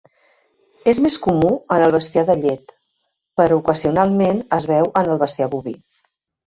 És més comú en el bestiar de llet, però ocasionalment es veu en el bestiar boví.